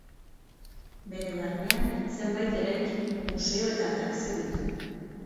Bere barnean, zenbait eraikin, museo eta atrakzio ditu.